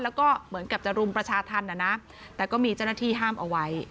แล้วก็เหมือนกับจะรุมประชาธรรมนะนะแต่ก็มีเจ้าหน้าที่ห้ามเอาไว้